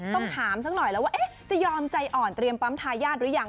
ต้องถามสักหน่อยแล้วว่าจะยอมใจอ่อนเตรียมปั๊มทายาทหรือยัง